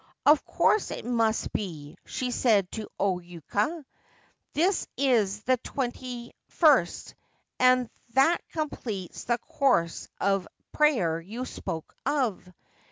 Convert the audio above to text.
* Of course it must be/ she said to O Yuka. * This is the twenty first, and that completes the course of prayer you spoke of.